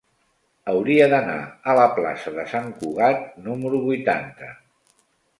Hauria d'anar a la plaça de Sant Cugat número vuitanta.